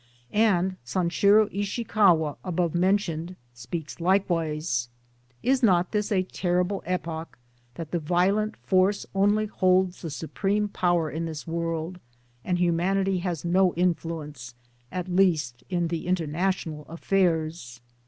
And Sanshiro Ishikawa above men tioned speaks likewise : "Is not this a terrible epoch, that the violent force only holds the supreme power in this world, and humanity has no influence, at least in [the] international affairs.